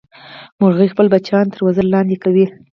مورغۍ خپل بچیان تر وزر لاندې کوي